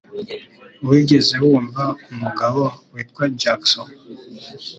Wigeze wumva umugabo witwa Jackson?